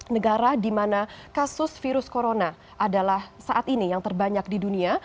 empat negara di mana kasus virus corona adalah saat ini yang terbanyak di dunia